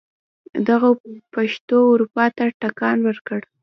دغو پېښو اروپا ته ټکان ورکړ.